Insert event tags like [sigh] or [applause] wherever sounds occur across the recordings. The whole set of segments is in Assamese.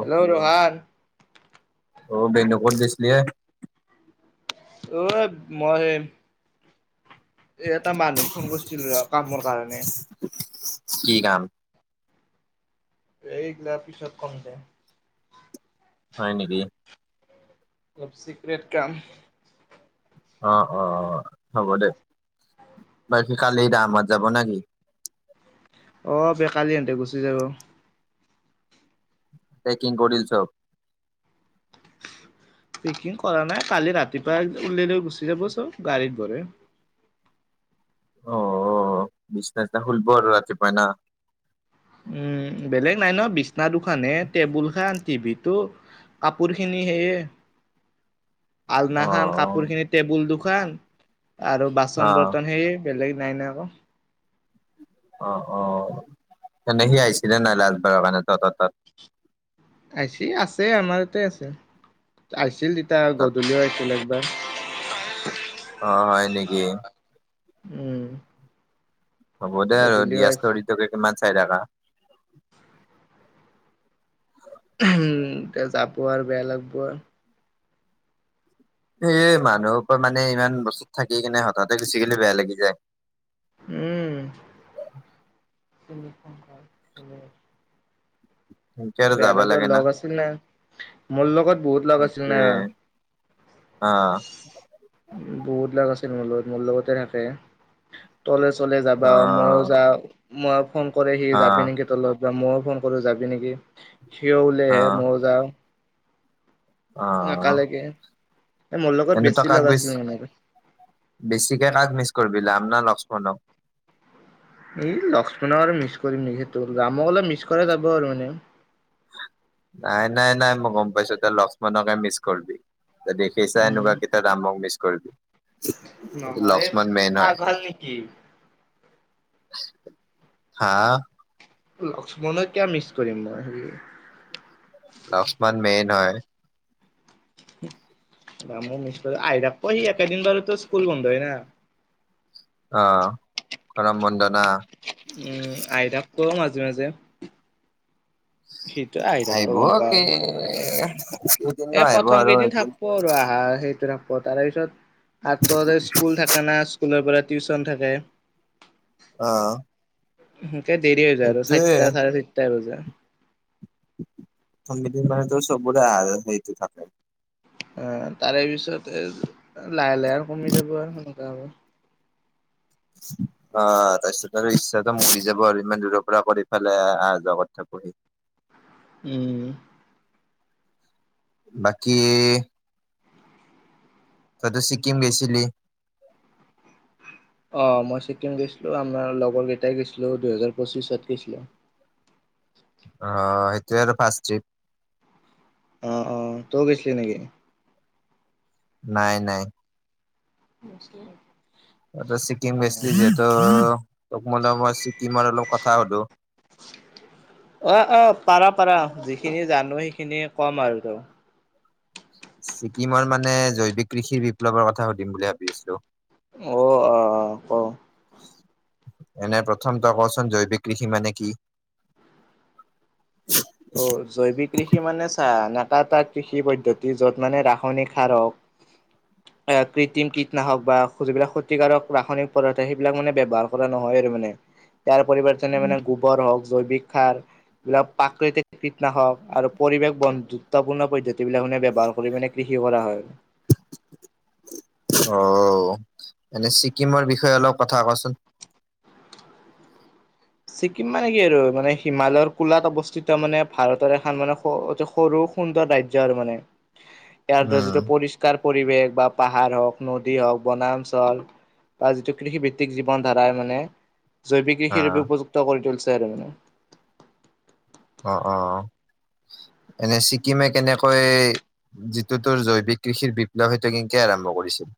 হেল্ল', ৰোহাৰ। অ', বেন্দু কত গৈছিলি, এ? অ, মই এই এ' এটা মানুহে ফোন কৰিছিল ৰ, কামৰ কাৰণে। কি কাম? এইগিলা, পিছত কম দে। হয় নেকি? টপ চিক্ৰেট কাম। অ', অ', হ'ব দে, বাকী কালি ৰামহত যাব নেকি? অ', বে, কালি সিহতে গুচি যাব। পেকিং কৰিল চব? পিকিং কৰা নাই, কালি ৰাতিপুৱা উলাই লৈ গুচি যাব চব গাড়ীত ভৰাই। অ', অ, বিছনা চিনা খুলব আৰু ৰাতিপুৱাই নাহ? উম, বেলেগ নাই ন, বিছনা দুখানহে, টেবুল খান, টিভিটো। কাপোৰ খিনি সেয়ে! আলনা খান, অ' কাপোৰ খিনি, টেবুল দু খান আৰু বাচন অ' বৰ্তন সেই! বেলেগ নাই নাই আকৌ! অঁ অঁ তেন্ত সি আহিছিলে নাই লাজবাৰৰ কাৰণে তহতঁৰ তাত? আইছি, আছে আমাৰ ইয়াতে আছে আহিছিল তেতিয়া তাত গধূলিও আহিছিল একবাৰ! অ' হয় নেকি? উম! হ'ব দে আৰু গধূলি দিয়া হৈছে ষ্টৰিটোকে কিমান চাই থকা। উম, এতিয়া যাব আৰু বেয়া লাগব আৰু! সেইয়ে মানুহৰ পৰা মানে ইমান বছৰ থাকি কিনে হঠাতে গুছিগেলি বেয়া লাগি যায়। উম! সেনকে আৰু বেয়া যাবা লাগিব লাগে লগ আছিল না, মোৰ লগত বহুত লগ আছিল না! অঁ। বহুত লাগ আছিল মোৰ লগত মোৰ লগতে থাকে। তলে চলে যাবা মইয়ো অ' যাও, মই ফোন কৰে সি যাবি নেকি তলত! ময়ও ফোন কৰো যাবি নেকি? সিও ওলাইহে মইও যাওঁ। অঁ অঁ একেলগে মোৰ লগত এনে তই কাক লগ আছিল বেছি! মানে বেছিকে কাক মিচ কৰিব ৰাম না লক্ষ্মণক? এই লক্ষ্মনক আৰু মিছ কৰিম নেকি? সেতু ৰামকহলে মিছ কৰা যাব আৰু এনে! নাই নাই নাই মই গম পাইছো তই লক্ষ্মণনকে মিছ কৰিবি! কেচা উম এনেকুৱা কেটা ৰামক মিছ কৰিবি! নহয় এ লক্ষ্মণ মেইন হয়। পাঘাল নেকি? হা। লক্ষ্মণক কিয় মিচ কৰিম মই হেৰি। লক্ষ্মণ মেইন হয়। দাম মি আহই থাক প সি একেদিন বাৰতো স্কুল বন্ধ হয় ন। [inaudible] অ গৰম বন্ধ না। উম, আহি থাকিব মাজে মাজে। সিটো আহি থাকিব গম পাওঁ। বুজিব পৰা নাই। এ' প্ৰথম কেইদিন থাকব আৰু আহা সেইটো থাকব তাৰে পিছত! তাত তো সদায় স্কুল থাকে না, স্কুলৰ পৰা টিউচন থাকে। অঁ। সেনকে দেৰি হৈ যায় আৰু চাৰিটা চাৰে চাৰিটা বাজে। শনি দিন মানেতো চবৰে আ সেইত থাকে। অ তাৰে পিছত এ লাহে লাহে আৰু কমি যাব আৰু সেনেকোৱা হলে [unintelligible] অ তাৰপিছত আৰু ইচ্ছাটো মৰি যাব আৰু ইমান দূৰৰ পৰা কৰিফালে অহা যোৱা কৰি থাকো সেই উম। বাকী তইতো ছিকিম গেছিলি? অ মই ছিকিম গৈছিলো আমাৰ লগৰ কেইটাই গৈছিলো দুহেজাৰ পঁচিছত গৈছিলো। অ সেইটোয়ে আৰু ফাৰ্ষ্ট ট্ৰিপ অ অ তই গৈছিলি নেকি? নাই নাই। [unintelligible] তইতো ছিকিম অ গৈছিলি যিহেতু তোক মই ছিকিমৰ অলপ কথা সুধো অ অ পাৰা পাৰা যিখিনি জানো সেইখিনিয়ে কম আৰু তোক ছিকিমৰ মানে জৈৱিক কৃষিৰ বিপ্লৱৰ কথা সুধিম বুলি ভাবি আছিলো অ অ ক এনে প্ৰথম তই কচোন জৈৱিক কৃষি মানে কি অ জৈৱিক কৃষি মানে চা এটা এটা কৃষি পদ্ধতি য'ত মানে ৰাসায়নিক সাৰ হওক [unintelligible] এ কৃত্ৰিম কীটনাশক বা যিবিলাক ক্ষতিকাৰক ৰাসায়নিক পদাৰ্থ সেইবিলাক মানে ব্যৱহাৰ কৰা নহয় আৰু মানে [unintelligible] ইয়াৰ পৰিবৰ্তনে মানে গোবৰ হওক জৈৱিক সাৰ এইবিলাক প্ৰাকৃতিক কীটনাশক আৰু পৰিৱেশ বন্ধুত্বপূৰ্ণ পদ্ধতিবিলাক মানে ব্যৱহাৰ কৰি মানে কৃষি কৰা হয় অ এনে ছিকিমৰ বিষয়ে অলপ কথা কচোন ছিকিম মানে কি আৰু মানে হিমালয়ৰ কোলাত অৱস্থিত মানে ভাৰতৰ এখন মানে অতি সৰু সুন্দৰ ৰাজ্য আৰু মানে [unintelligible] ইয়াৰ যিটো পৰিষ্কাৰ পৰিৱেশ বা পাহাৰ হওক নদী হওক বনাঞ্চল বা যিটো কৃষিভিত্তিক জীৱন ধাৰাই মানে জৈৱিক কৃষিৰ অ', বাবে উপযুক্ত কৰি তুলিছে আৰু মানে অ অ এনে ছিকিমে কেনেকৈ যিটো তোৰ জৈৱিক কৃষিৰ বিপ্লৱ সেইটো কেংকে আৰম্ভ কৰিছিল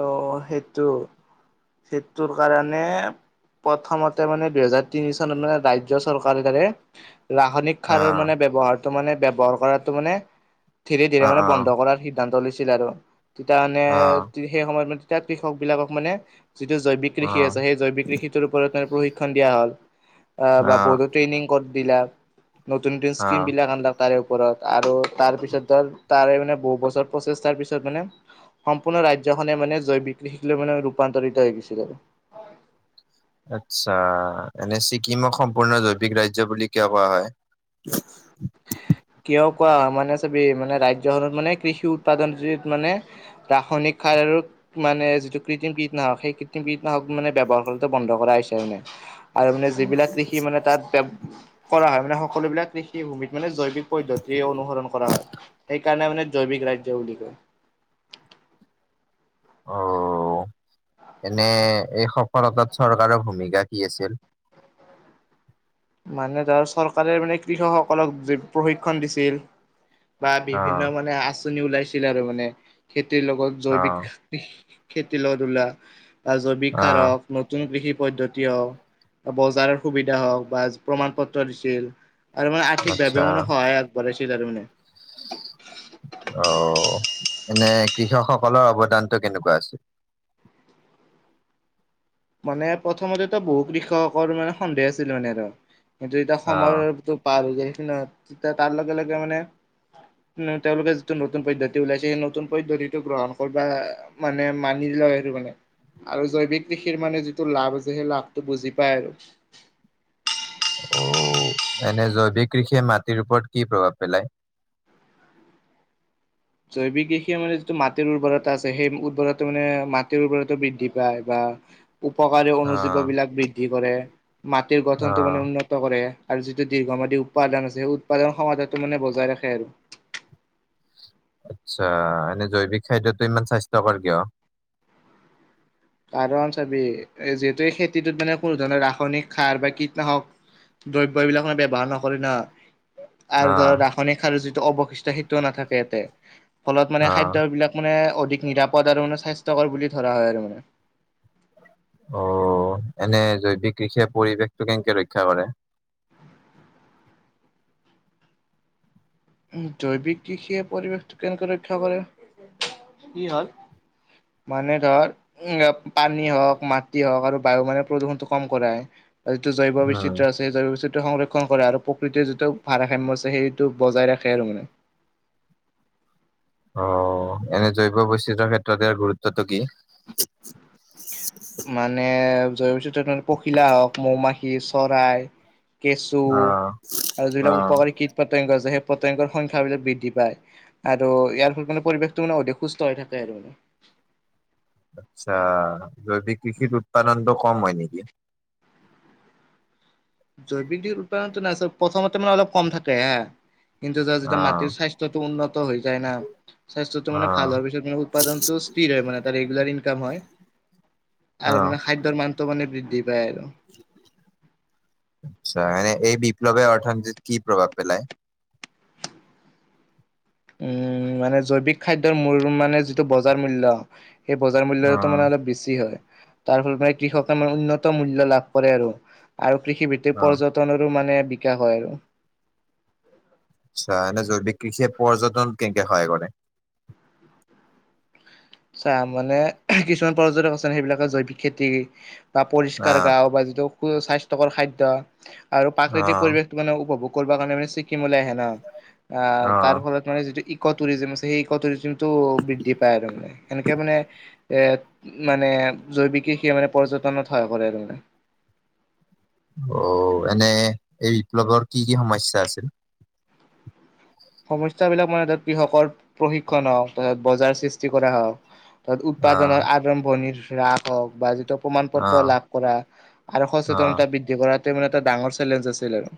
অ সেইটো সেইটোৰ কাৰণে প্ৰথমতে মানে দুহেজাৰ তিনি চনত মানে ৰাজ্য চৰকাৰ দৰে ৰাসায়নিক সাৰৰ অ', মানে ব্যৱহাৰতো মানে ব্যৱহাৰ কৰাতো মানে ধীৰে ধৰে অ', মানে অ', বন্ধ কৰাৰ সি দ্ধান্ত লৈছিল আৰু তেতিয়া মানে অ', সেই সময়ত মানে তেতিয়া কৃষক বিলাকক মানে যিটো জৈৱিক কৃষি অ', আছে সেই জৈৱিক কৃষিটোৰ ওপৰত তাৰ প্ৰশিক্ষন দিয়া হ'ল অ বা বৈদ্যু ট্ৰেইনিং কত দিলাক নতুন নতুন স্কীম অ'। বিলাক আনলাক তাৰে ওপৰত আৰু তাৰ পিছত তাৰে মানে বহুত বছৰ প্ৰচেষ্টাৰ পিছত মানে সম্পূৰ্ণ ৰাজ্যখনে মানে জৈৱিক কৃষিক লৈ মানে ৰূপান্তৰিত হৈ গৈছিলে আচ্ছা এনে ছিকিমক সম্পূৰ্ণ জৈৱিক ৰাজ্য বুলি কিয় কোৱা হয় কিয় কোৱা মানে চাবি মানে ৰাজ্যখনত মানে কৃষি উৎপাদন যত মানে ৰাসায়নিক সাৰ আৰু মানে যিটো কৃত্ৰিম কীটনাশক সেই কৃত্ৰিম কীটনাশক মানে ব্যৱহাৰ কৰাতো বন্ধ কৰা হৈছে মানে আৰু মানে যিবিলাক কৃষি মানে তাত ব্য কৰা হয় মানে সকলোবিলাক কৃষিভূমিত মানে জৈ ৱিক পদ্ধতিৰে অনুসৰণ কৰা হয় সেইকাৰণে মানে জৈৱিক ৰাজ্য বুলি কয় অ এনে এই সফলতাত চৰকাৰৰ ভূমিকা কি আছিল মানে ধৰ চৰকাৰে মানে কৃষকসকলক যি প্ৰশিক্ষণ দিছিল বা বিভিন্ন অ', মানে আঁচনি ওলাইছিলে আৰু মানে খেতিৰ লগত জৈৱিক অ', খেতি লগ ধোলা বা জৈৱিক অ', সাৰক নতুন কৃষি পদ্ধতি হওক বজাৰৰ সুবিধা হওক বা প্ৰমাণ পত্ৰ দিছিল আৰু মানে আচ্ছা আৰ্থিকভাৱেও মানে সহায় আগবহাইছিল তাৰ মানে [unintelligible] অ এনে কৃষক সকলৰ অৱদানটো কেনেকুৱা আছিল মানে প্ৰথমতেতো বহু কৃষকৰ মানে সন্দেহ আছিল মানে আৰু সেটো এতিয়া অ', সময়ৰ টো পাৰ হৈ যায় সেইটো ন তেতিয়া তাৰ লগে লগে মানে উ তেওঁলোকে যিটো নতুন পদ্ধতি ওলাইছে সেই নতুন পদ্ধতিটো গ্ৰহণ কৰবা মানে মানি লয় সেইটো মানে আৰু জৈৱিক খিৰ মানে যিটো লাভ আছে সেই লাভটো বুজি পায় আৰু অ এনে জৈৱিক কৃষিয়ে মাটিৰ ওপৰত কি প্ৰভাৱ পেলায় জৈৱিক কৃষিয়ে মানে যিটো মাটিৰ উৰ্বৰতা আছে সেই উৰ্বৰা মানে মাটিৰ উৰ্বৰতা বৃদ্ধি পায় বা উপকাৰী অনুজীৱ অ', বিলাক বৃদ্ধি কৰে মাটিৰ গঠনটো অ', মানে উন্নত ত কৰে আৰু যিটো দীৰ্ঘমাদী উৎপাদন আছে সেই উৎপাদন সমাধাটো মানে বজাই ৰাখে আৰু আতচ্ছা এনে জৈৱিক খাদ্যটো ইমান স্বাস্থ্যকৰ কিয় কাৰণ চাবি এ যিহেতু এই খেতিটোত মানে কোনো ধৰণৰ ৰাসায়নিক সাৰ বা কীটনাশক দ্ৰব্যবিলাক মানে ব্যয়ৱহাৰ নকৰে ন আৰু ধৰ অ', ৰাসায়নিক সাৰৰ যিটো অৱশিষ্ট সেইটোও নাথাকে ইয়াতে ফলত মানে অ', খাদ্যবিলাক মানে অধিক নিৰাপদ আৰু মানে স্বাস্থ্যকৰ বুলি ধৰা হয় আৰু মানে অ এনে জৈৱিক কৃষিয়ে পৰিৱেশটো কেনেকে ৰক্ষা কৰে উ জৈৱিক কৃষিয়ে পৰিৱেশটো কেনেকে ৰক্ষা কৰে কি হল মানে ধৰ উ আ পানী হওক মাটি হওক আৰু বায়ু মানে প্ৰদূষণটো কম কৰাই যিটো জৈৱ উম। বৈচিত্ৰ আছে সেই জৈৱ বৈচিত্ৰ সংৰক্ষণ কৰে আৰু প্ৰকৃতিৰ যিটো ভাৰসাম্য আছে সেইটো বজাই ৰাখ খে আৰু মানে অ এনে জৈৱ বৈচিত্যৰ ক্ষেত্ৰত ইয়াৰ গুৰুত্বটো কি মানে জৈৱ বৈচিত্ৰ্যটো পখিলা হওক মৌ মাখি চৰাই কেঁচু অ আৰু অ যিবিলাক উপকাৰী কীট পত্যাংগ যে সেই পত্যাংগৰ সংখ্যা বিলাক বৃদ্ধি পায় আৰু ইয়াৰ ফলত মানত পৰিৱেশটো মানে অধিক সুস্থ হৈ থাকে আৰু আতচ্ছা জৈৱিক কৃষিত উৎপাদনতটো কম হয় নেকি জৈৱিক দিৰ উৎপাদনতটো নাই চ প্ৰথমতে মানে অলপ কম থাকে হা কিন্তু যা অ যেতিয়া মাটিৰ স্বাস্থ্য টো উন্নত হৈ যায় না স্বাস্থ্যটো অ মানে ভাল হোৱাৰ পিছত মানে উৎপাদনতটো স্থিৰ হয় মানে তাত ৰেগুলাৰ ইনকাম হয় অ আৰু মানে খাদ্যৰ মানটো মানে বৃদ্ধি পায় আৰু আচ্ছা এ এই বিপ্লৱে অৰ্থনীতিত কি প্ৰভাৱ পেলায় উম মানে জৈৱিক খাদ্যৰ মূল মানে যিটো বজাৰ মূল্য সেই বজাৰ অ মূল্যতটো মানে অ অলপ বেছি হয় তাৰ ফলত মানে কৃষকে মানে উন্নত মূল্য লাভ কৰে আৰু কৃষি ভিত্তিক পৰ্য তনৰো মানে বিকাশ হয় আৰু আচ্ছা এনে জৈৱিক কৃষিয়ে পৰ্যটন কেনকে সহায় কৰে চা মানে কিছুমান পৰ্যটক আছে সেইবিলাকে জৈৱিক খেতি বা অ পৰিষ্কাৰ গাও বা যিটো সু স্বাস্থ্যকৰ খাদ্য আৰু অ প্ৰাকৃতিক পৰিৱেশ মানে উপভোগ কৰিব কাৰণে মানে ছিকিমলৈ আহে ন আ অ তাৰ ফলত মানে যিটো ইক' টুৰিজিম আছে সেই ইক' টুৰিজিমটো বৃদ্ধি পায় আৰু মানে এনেকে মানে এ মানে জৈৱিকে সেই মানে পৰ্যটনত সহায় কৰে আৰু মানে অ এনে এই বিপ্লৱৰ কি কি সমস্যা আছিল সমস্যাবিলাক মানে ত কৃষকৰ প্ৰশিক্ষণ হওক তাৰছত বজাৰ সৃষ্টি কৰা হওক তাত অ উৎপাদনৰ আৰদম্ভণি হ্ৰাস হওক বা যিটো প্ৰমাণ অ পত্ৰ লাভ কৰা আৰু অ সচেতনতা বৃদ্ধি কৰাটো মানে এটা ডাঙৰ চেলেঞ্জ আছিল আৰু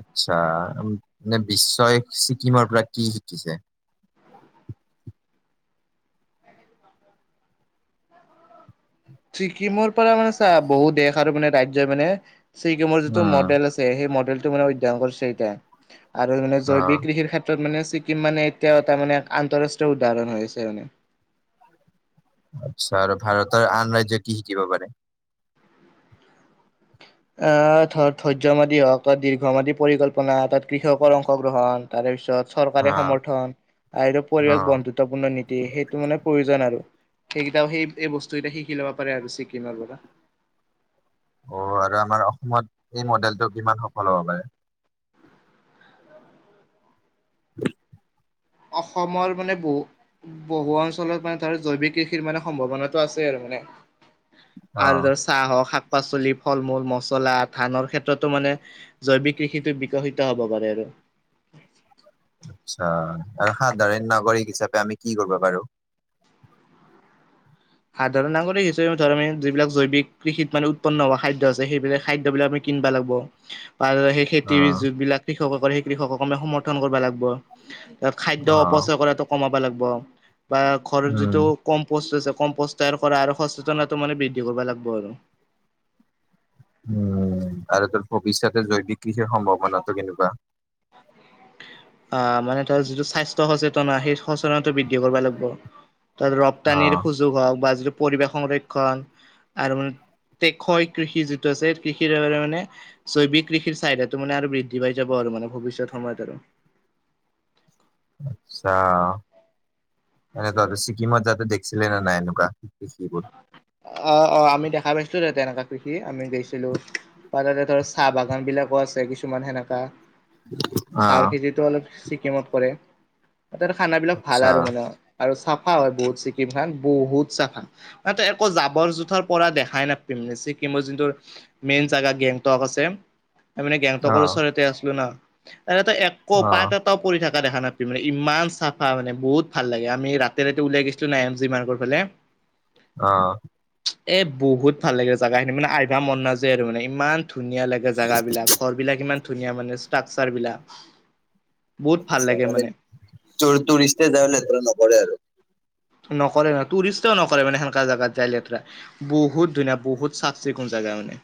আত্ছা মানে বিশ্বই ছিকিমৰ পৰা কি শিকিছে ছিকিমৰ পৰা মানে চা বহুত দেশ আৰু মানে ৰাজ্যই মানে ছিকিমৰ যিটো উম মডেল আছে সেই মডেল টো মানে অধ্যয়ন কৰিছে এতিয়া আৰু মানে অ জৈৱিক কৃষিৰ ক্ষেত্ৰত মানে ছিকিম মানে এতিয়াও এটা মানে আন্তৰাষ্ট্ৰীয় উদাহৰণ হৈ আছে মানে আচ্ছা আৰু ভাৰতৰ আন ৰাজ্য কি শিকিব পাৰে আ ধৰ ধৈৰ্য্য মাদী হওক ত দীৰ্ঘমাদী পৰিকল্পনা তাত কৃষকৰ অংশগ্ৰহণ তাৰে পিছত চৰকাৰে অ', সমৰ্থন আৰু পৰিৱেশ বন্ধুত্ব অ', গুৰুত্বপূৰ্ণ নীতি সেইটো মানে প্ৰয়োজন আৰু সেইকেইটাও সেই এই বস্তুকেইটা শিকি ল'ব পাৰে আৰু ছিকিমৰ পৰা অ আৰু আমাৰ অসমত এই মডেলটো কিমান সফল হ'ব পাৰে [inaudible] অসমৰ মানে বহুত বহু অঞ্চলত মানে তৰ্ত জৈৱিক কৃষিৰ মানে সম্ভাৱনাটো আছে আৰু মানে আৰু অ', ধৰ চাহ হওক শাক পাচলি ফল মূল মচলা ধানৰ ক্ষেত্ৰতো মানে জৈৱিক কৃষিতো বিকশিত হব পাৰে আৰু আচ্ছা আৰু সাধাৰণ নাগৰিক হিচাপে আমি কি কৰিব পাৰো সাধাৰণ নাগৰিক হিচাপে ধৰ আম যিবিলাক জৈৱিক কৃষিত মানে উৎপন্ন হোৱা খাদ্য আছে সেইবিলাক খাদ্য বিলাক আমি কিনবা লাগিব পাল খেতি অ', যত বিলাক কৃষক কৰে সেই কৃষকক আমি সমৰ্থন কৰিব লাগব ত খাদ্য অ', অপচয় কৰাত কমাব লাগব, বা ঘৰত উম, যিটো কম পষ্ট পষ্টাৰ কৰা, আৰু হস্পিতাল মানে বৃদ্ধি কৰিব লাগিব, আৰু। উম, আৰু তোৰ ভৱিষ্যতে জৈৱিক কৃষিৰ সম্ভাৱনাটো কেনেকুৱা? আ, মানে তোৰ যিটো স্বাস্থ্য সচেতনা, সেই সচেতনটো বৃদ্ধি কৰিব লাগিব। ৰপ্তানিৰ অ', সুযোগ হওক, বা যিটো পৰিৱেশ সংৰক্ষণ, আৰু মানে কৃষি যিটো আছে, কৃষিৰ মানে জৈৱিক কৃষিৰ চাহিদাটো, মানে, আৰু বৃদ্ধি পাই যাব, আৰু মানে ভৱিষ্যত সময়ত আৰু। আচ্ছা। এনে, তহতে ছিকিমত যাওঁতে দেখিছিলে নে নাই, এনেকুৱা কৃষিবোৰ? অ, অ আমি দেখা পাইছিলো। তাতে এনেকুৱা কৃষি আমি দেখছিলো, বা তাতে ধৰ চাহ বাগানবিলাকো আছে, কিছুমান সেনেকা চাহৰ অ', খেতি। অলপ ছিকিমত পৰে, তাতে খানাবিলাক ভাল, আচ্ছা আৰু মানে। আৰু চাফা হয় বহুত ছিকিমখন বহুত চাফা। জাবৰ-জোঁথৰ পৰা দেখায়ে ছিকিমৰ যোনটো মেইন জেগা, গেংটক আছে। আমি মানে গেংটকৰ অ', ওচৰতে আছিলোঁ ন। তাতে, তই একো অ', অ', পাত পৰি থকা দেখা নাপাবি। মানে, ইমান চাফা, মানে বহুত ভাল লাগে। আমি ৰাতি ৰাতি ওলাই গৈছিলোঁ ন এম জি মাৰ্কৰ ফালে। অ। এ, বহুত ভাল লাগে জেগাখিনি। মানে, আইভা মন নাযায়, আৰু মানে ইমান ধুনীয়া লাগে জেগাবিলাক, ঘৰবিলাক ইমান ধুনীয়া। মানে, ষ্ট্ৰাকচাৰবিলাক। বহুত ভাল আচ্ছা লাগে মানে টুৰিষ্টে যায় লেতেৰা নকৰে আৰু। নকৰে, মানে টুৰিষ্টেও নকৰে মানে সেনেকুৱা জেগাত যায় লেতেৰা। বহুত ধুনীয়া বহুত চাফ-চিকুণ জাগা মানে।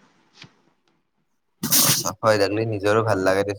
হয়, চাফা হৈ থাকিলে নিজৰো ভাল লাগে দে।